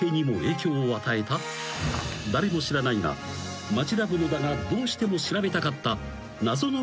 ［誰も知らないがマヂラブ野田がどうしても調べたかった謎の偉人研究］